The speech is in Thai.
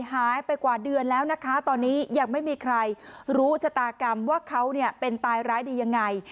หายไปกว่าเดือนแล้วนะคะตอนนี้ยังไม่มีใครรู้ชะตากรรมว่าเขาเป็นตายร้ายดียังไง